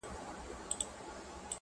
خو یو بل وصیت هم سپي دی راته کړی,